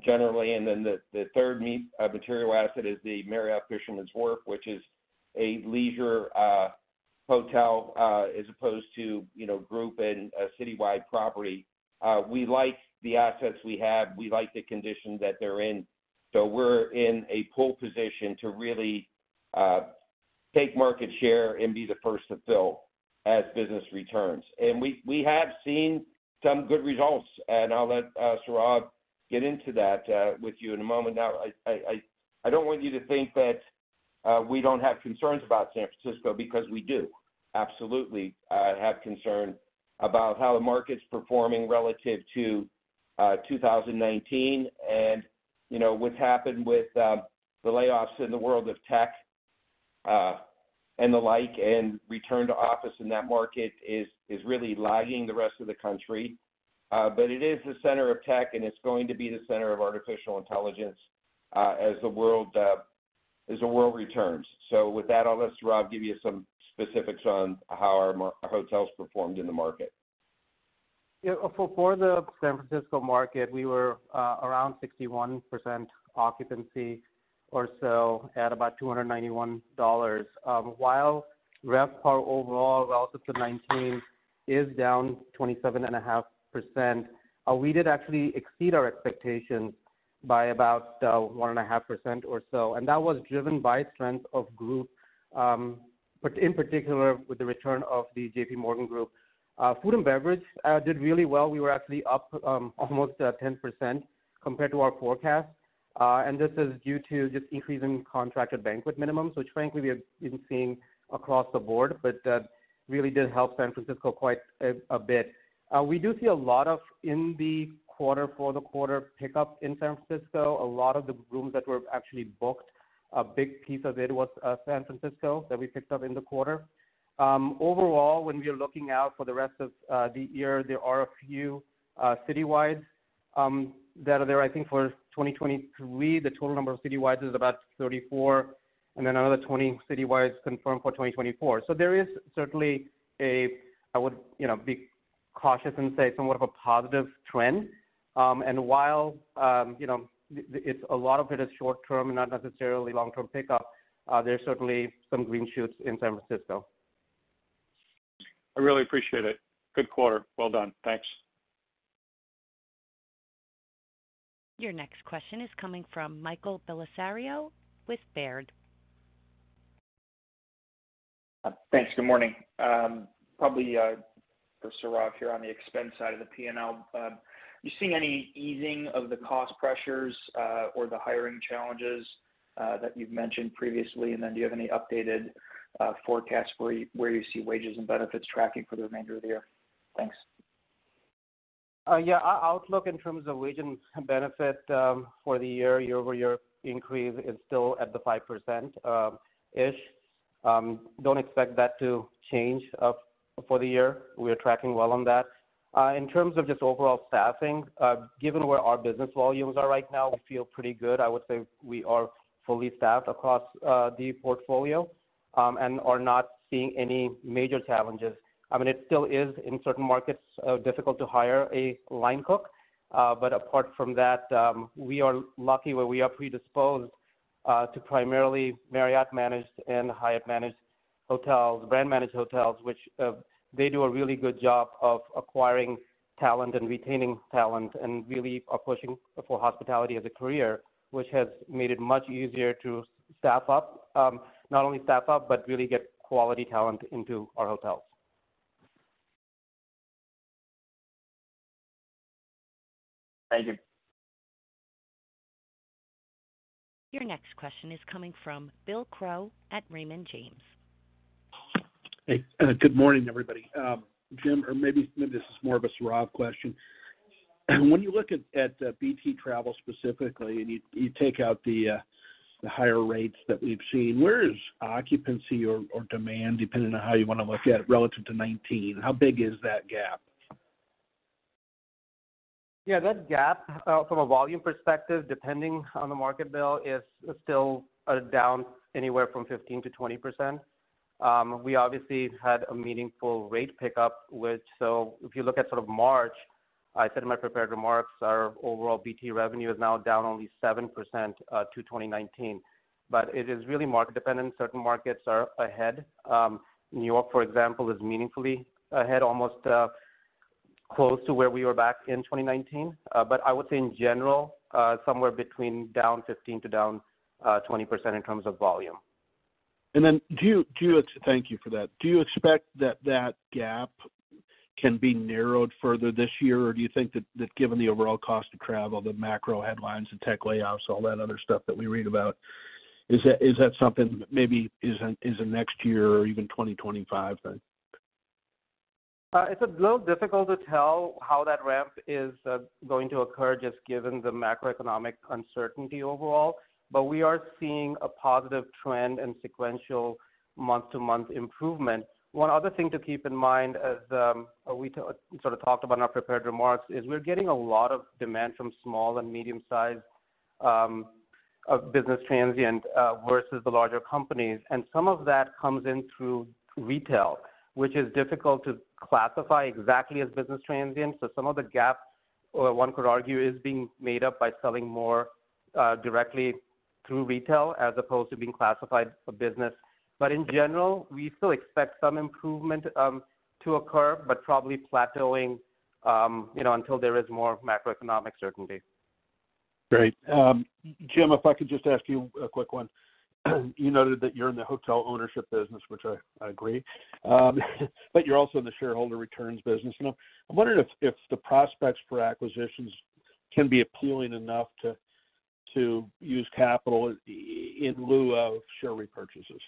generally, and then the third material asset is the Marriott Fisherman's Wharf, which is a leisure hotel, as opposed to, you know, Group and a citywide property. We like the assets we have. We like the condition that they're in. We're in a pole position to really take market share and be the first to fill as business returns. We have seen some good results, and I'll let Sourav get into that with you in a moment. I don't want you to think that we don't have concerns about San Francisco, because we do absolutely have concern about how the market's performing relative to 2019. You know, what's happened with the layoffs in the world of tech and the like, and return to office in that market is really lagging the rest of the country. But it is the center of tech, and it's going to be the center of artificial intelligence as the world as the world returns. With that, I'll let Sourav give you some specifics on how our hotels performed in the market.
Yeah. For the San Francisco market, we were around 61% occupancy or so at about $291. While RevPAR overall relative to 2019 is down 27.5%, we did actually exceed our expectations by about 1.5% or so, and that was driven by strength of Group, but in particular with the return of the JP Morgan Group. Food and Beverage did really well. We were actually up almost 10% compared to our forecast. This is due to just increasing contracted banquet minimums, which frankly we have been seeing across the board, but really did help San Francisco quite a bit. We do see a lot of in the quarter for the quarter pickup in San Francisco. A lot of the rooms that were actually booked, a big piece of it was San Francisco that we picked up in the quarter. Overall, when we are looking out for the rest of the year, there are a few citywide that are there. I think for 2023, the total number of citywides is about 34, and then another 20 citywides confirmed for 2024. There is certainly a, I would, you know, be cautious and say somewhat of a positive trend. While, you know, the, a lot of it is short term, not necessarily long-term pickup, there's certainly some green shoots in San Francisco.
I really appreciate it. Good quarter. Well done. Thanks.
Your next question is coming from Michael Bellisario with Baird.
Thanks. Good morning. Probably for Sourav here on the expense side of the P&L. Are you seeing any easing of the cost pressures, or the hiring challenges, that you've mentioned previously? Do you have any updated forecasts for where you see wages and benefits tracking for the remainder of the year? Thanks.
Yeah. Our outlook in terms of wages and benefit for the year-over-year increase is still at the 5%-ish. Don't expect that to change for the year. We are tracking well on that. In terms of just overall staffing, given where our business volumes are right now, we feel pretty good. I would say we are fully staffed across the portfolio and are not seeing any major challenges. I mean, it still is in certain markets difficult to hire a line cook. Apart from that, we are lucky where we are predisposed to primarily Marriott managed and Hyatt managed hotels, brand managed hotels, which they do a really good job of acquiring talent and retaining talent, and really are pushing for hospitality as a career, which has made it much easier to staff up. Not only staff up, but really get quality talent into our hotels.
Thank you.
Your next question is coming from Bill Crow at Raymond James.
Hey. Good morning, everybody. Jim, or maybe this is more of a Sourav question. When you look at BT travel specifically and you take out the higher rates that we've seen, where is occupancy or demand, depending on how you wanna look at it, relative to 2019? How big is that gap?
Yeah. That gap from a volume perspective, depending on the market, Bill, is still down anywhere from 15%-20%. We obviously had a meaningful rate pickup. If you look at sort of March I said in my prepared remarks, our overall BT revenue is now down only 7% to 2019. It is really market dependent. Certain markets are ahead. New York, for example, is meaningfully ahead, almost close to where we were back in 2019. I would say in general, somewhere between down 15% to 20% in terms of volume.
Thank you for that. Do you expect that that gap can be narrowed further this year? Do you think that given the overall cost of travel, the macro headlines, the tech layoffs, all that other stuff that we read about, is that something maybe is in next year or even 2025?
It's a little difficult to tell how that ramp is going to occur just given the macroeconomic uncertainty overall. We are seeing a positive trend in sequential month-to-month improvement. One other thing to keep in mind as we sort of talked about in our prepared remarks, is we're getting a lot of demand from small and medium-sized business Transient versus the larger companies. Some of that comes in through retail, which is difficult to classify exactly as business Transient. Some of the gaps, or one could argue, is being made up by selling more directly through retail as opposed to being classified for business. In general, we still expect some improvement to occur, but probably plateauing, you know, until there is more macroeconomic certainty.
Great. Jim, if I could just ask you a quick one. You noted that you're in the hotel ownership business, which I agree. You're also in the shareholder returns business. You know, I'm wondering if the prospects for acquisitions can be appealing enough to use capital in lieu of share repurchases.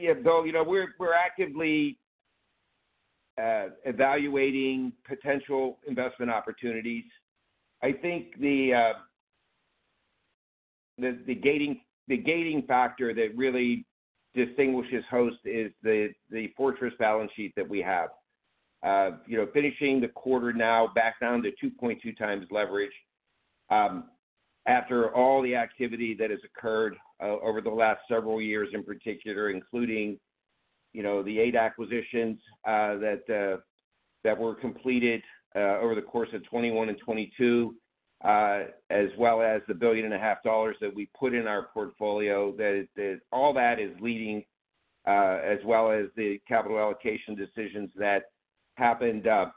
Yeah. Though, you know, we're actively evaluating potential investment opportunities. I think the gating factor that really distinguishes Host is the fortress balance sheet that we have. You know, finishing the quarter now back down to 2.2x leverage after all the activity that has occurred over the last several years, in particular, including, you know, the eight acquisitions that were completed over the course of 2021 and 2022, as well as the $1.5 billion that we put in our portfolio, all that is leading, as well as the capital allocation decisions that happened from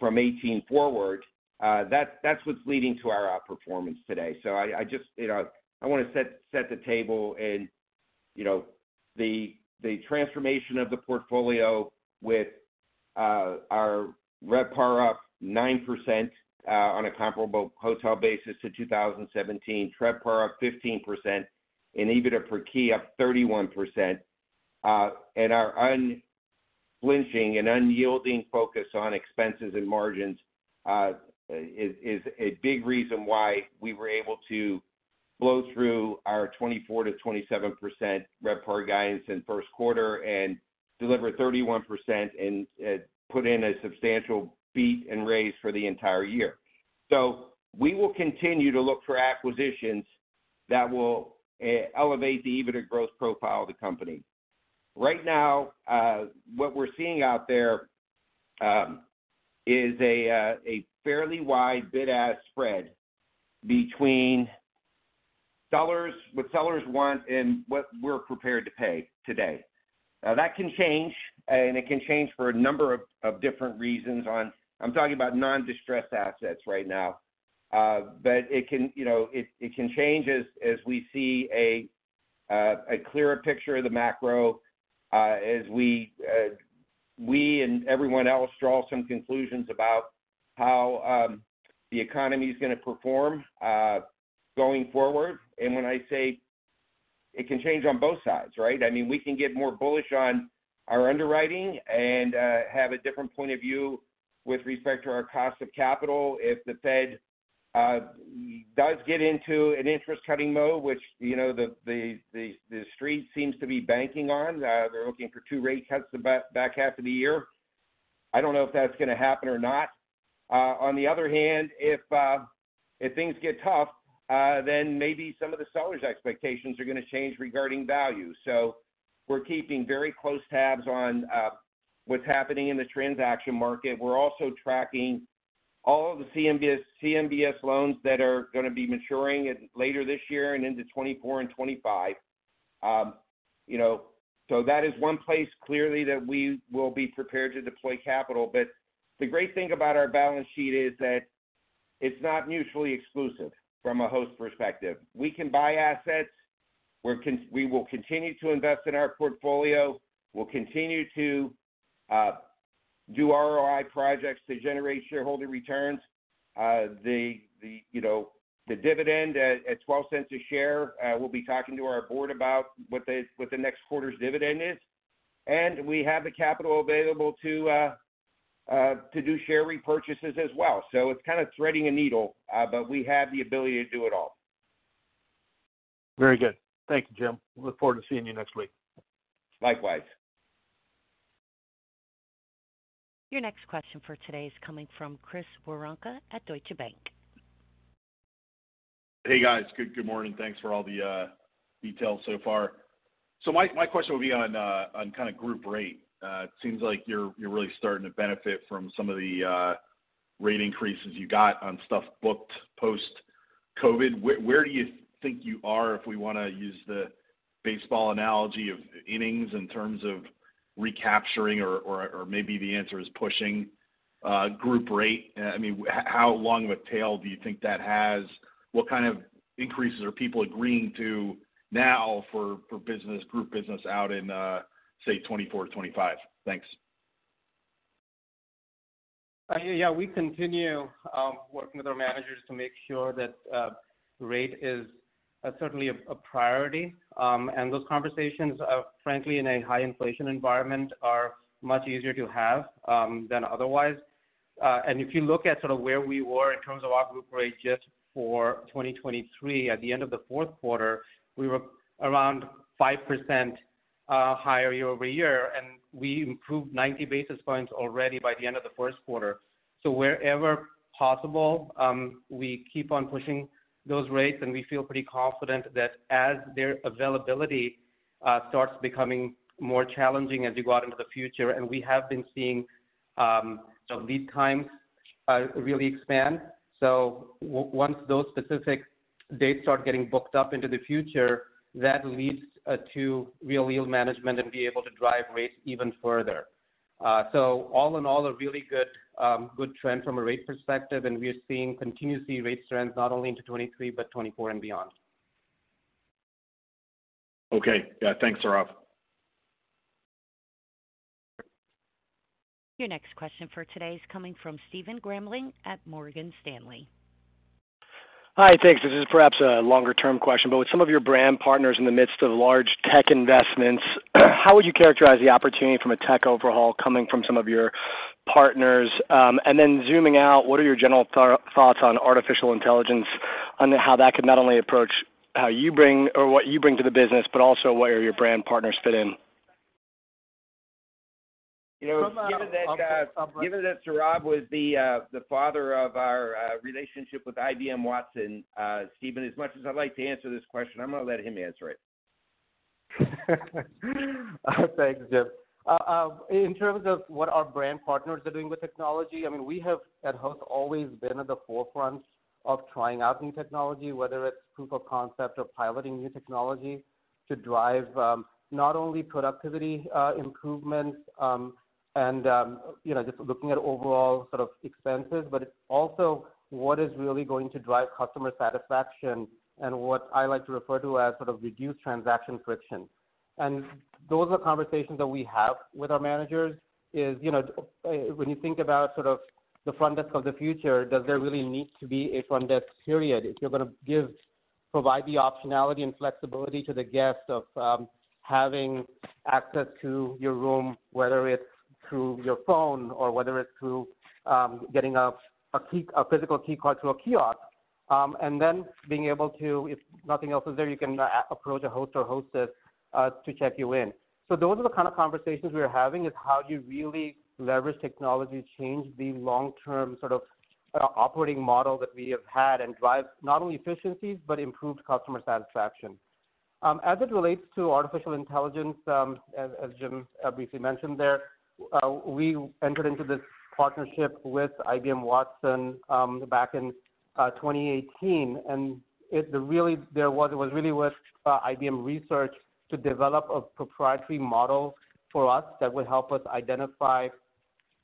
2018 forward, that's what's leading to our outperformance today. I just, you know, I wanna set the table and, you know, the transformation of the portfolio with our RevPAR up 9% on a comparable hotel basis to 2017, TRevPAR up 15%, and EBITDA per key up 31% and our unflinching and unyielding focus on expenses and margins is a big reason why we were able to blow through our 24%-27% RevPAR guidance in first quarter and deliver 31% and put in a substantial beat and raise for the entire year. We will continue to look for acquisitions that will elevate the EBITDA growth profile of the company. Right now, what we're seeing out there is a fairly wide bid-ask spread between sellers, what sellers want and what we're prepared to pay today. That can change, and it can change for a number of different reasons. I'm talking about non-distressed assets right now. But it can, you know, it can change as we see a clearer picture of the macro, as we and everyone else draw some conclusions about how the economy is gonna perform going forward. When I say it can change on both sides, right? I mean, we can get more bullish on our underwriting and have a different point of view with respect to our cost of capital. If the Fed does get into an interest cutting mode, which, you know, the street seems to be banking on, they're looking for two rate cuts the back half of the year. I don't know if that's gonna happen or not. On the other hand, if things get tough, maybe some of the sellers' expectations are going to change regarding value. We're keeping very close tabs on what's happening in the transaction market. We're also tracking all of the CMBS loans that are going to be maturing later this year and into 2024 and 2025. You know, that is one place clearly that we will be prepared to deploy capital. The great thing about our balance sheet is that it's not mutually exclusive from a Host perspective. We can buy assets. We will continue to invest in our portfolio. We'll continue to do ROI projects to generate shareholder returns. You know, the dividend at $0.12 a share, we'll be talking to our board about what the next quarter's dividend is. We have the capital available to do share repurchases as well. It's kinda threading a needle, but we have the ability to do it all.
Very good. Thank you, Jim. Look forward to seeing you next week.
Likewise.
Your next question for today is coming from Chris Woronka at Deutsche Bank.
Hey, guys. Good morning. Thanks for all the details so far. My question would be on kinda Group rate. It seems like you're really starting to benefit from some of the rate increases you got on stuff booked post-COVID. Where do you think you are if we wanna use the baseball analogy of innings in terms of recapturing, or maybe the answer is pushing Group rate? I mean, how long of a tail do you think that has? What kind of increases are people agreeing to now for business, Group business out in say 2024, 2025? Thanks.
Yeah, we continue working with our managers to make sure that rate is certainly a priority. Those conversations are frankly in a high inflation environment are much easier to have than otherwise. If you look at sort of where we were in terms of our Group rate just for 2023, at the end of the fourth quarter, we were around 5% higher year-over-year, and we improved 90 basis points already by the end of the first quarter. Wherever possible, we keep on pushing those rates, and we feel pretty confident that as their availability starts becoming more challenging as you go out into the future, and we have been seeing sort of lead times really expand. Once those specific dates start getting booked up into the future, that leads to real yield management and be able to drive rates even further. All in all, a really good good trend from a rate perspective, and we are seeing continuously rate trends not only into 2023, but 2024 and beyond.
Okay. Yeah, thanks, Sourav.
Your next question for today is coming from Stephen Grambling at Morgan Stanley.
Hi, thanks. This is perhaps a longer-term question. With some of your brand partners in the midst of large tech investments, how would you characterize the opportunity from a tech overhaul coming from some of your partners? Zooming out, what are your general thoughts on artificial intelligence and how that could not only approach how you bring or what you bring to the business, but also where your brand partners fit in?
From a-
You know, given that, given that Sourav was the father of our relationship with IBM Watson, Stephen, as much as I'd like to answer this question, I'm gonna let him answer it.
Thanks, Jim. In terms of what our brand partners are doing with technology, I mean, we have at Host always been at the forefront of trying out new technology, whether it's proof of concept or piloting new technology to drive, not only productivity improvements, and, you know, just looking at overall sort of expenses, but it's also what is really going to drive customer satisfaction and what I like to refer to as sort of reduced transaction friction. Those are conversations that we have with our managers is, you know, when you think about sort of the front desk of the future, does there really need to be a front desk, period? If you're gonna provide the optionality and flexibility to the guest of having access to your room, whether it's through your phone or whether it's through getting a key, a physical key card to a kiosk, and then being able to, if nothing else is there, you can approach a host or hostess to check you in. Those are the kind of conversations we are having, is how do you really leverage technology to change the long-term sort of operating model that we have had and drive not only efficiencies, but improved customer satisfaction. As it relates to artificial intelligence, as Jim briefly mentioned there, we entered into this partnership with IBM Watson back in 2018, and it was really with IBM Research to develop a proprietary model for us that would help us identify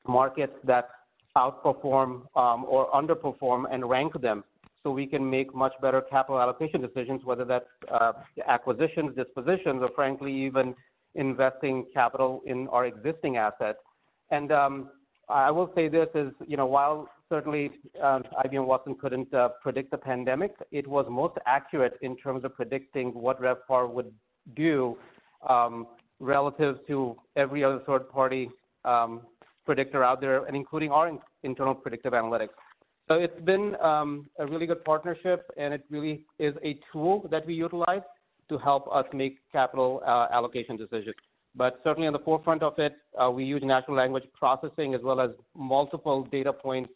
markets that outperform or underperform and rank them so we can make much better capital allocation decisions, whether that's acquisitions, dispositions, or frankly, even investing capital in our existing assets. I will say this is, you know, while certainly, IBM Watson couldn't predict the pandemic, it was most accurate in terms of predicting what RevPAR would do relative to every other third-party predictor out there, and including our internal predictive analytics. It's been a really good partnership, and it really is a tool that we utilize to help us make capital allocation decisions. Certainly on the forefront of it, we use natural language processing as well as multiple data points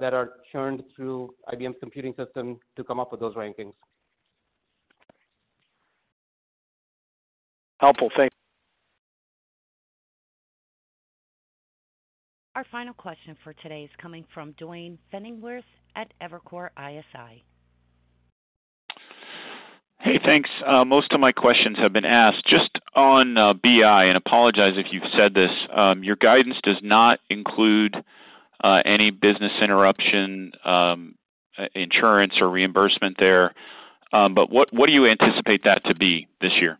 that are churned through IBM's computing system to come up with those rankings.
Helpful. Thank you.
Our final question for today is coming from Duane Pfennigwerth at Evercore ISI.
Hey, thanks. Most of my questions have been asked. Just on BI, and apologize if you've said this, your guidance does not include any business interruption insurance or reimbursement there. What do you anticipate that to be this year?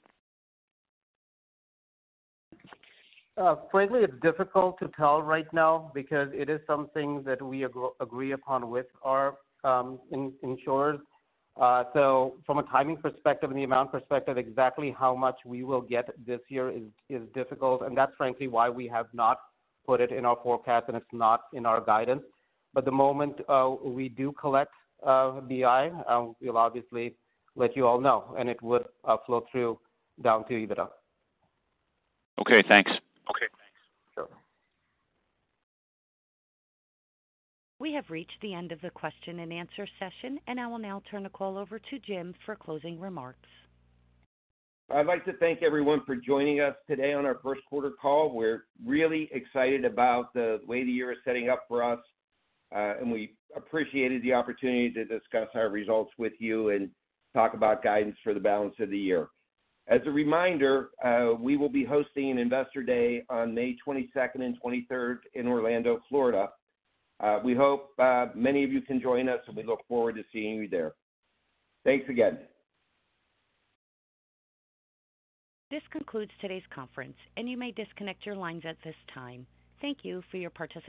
Frankly, it's difficult to tell right now because it is something that we agree upon with our insurers. From a timing perspective and the amount perspective, exactly how much we will get this year is difficult, and that's frankly why we have not put it in our forecast and it's not in our guidance. The moment we do collect BI, we'll obviously let you all know, and it would flow through down to EBITDA.
Okay, thanks.
Okay, thanks.
Sure.
We have reached the end of the question-and-answer session, and I will now turn the call over to Jim for closing remarks.
I'd like to thank everyone for joining us today on our first quarter call. We're really excited about the way the year is setting up for us. We appreciated the opportunity to discuss our results with you and talk about guidance for the balance of the year. As a reminder, we will be hosting Investor Day on May 22nd and 23rd in Orlando, Florida. We hope many of you can join us, and we look forward to seeing you there. Thanks again.
This concludes today's conference, and you may disconnect your lines at this time. Thank you for your participation.